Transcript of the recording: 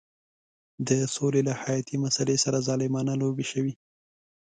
د سولې له حیاتي مسلې سره ظالمانه لوبې شوې.